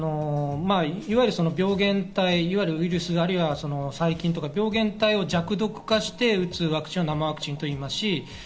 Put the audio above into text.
いわゆる病原体、いわゆるウイルス、最近とか病原体を弱毒化して打つワクチンを生ワクチンといいます。